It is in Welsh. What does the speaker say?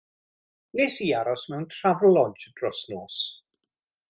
'Nes i aros mewn Travelodge dros nos.